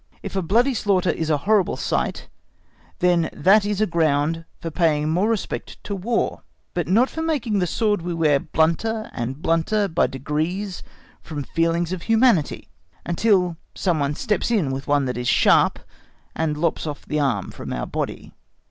If a bloody slaughter is a horrible sight, then that is a ground for paying more respect to War, but not for making the sword we wear blunter and blunter by degrees from feelings of humanity, until some one steps in with one that is sharp and lops off the arm from our body.